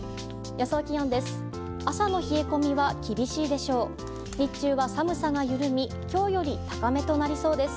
予想気温です。